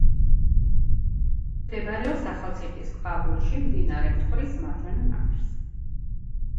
მდებარეობს ახალციხის ქვაბულში, მდინარე მტკვრის მარცხენა ნაპირზე.